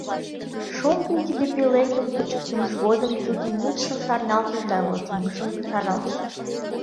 Шоҥгын тиде пӧлекым кучыктымыж годым тудын мутшым шарналтыш да возымыжым чарналтыш.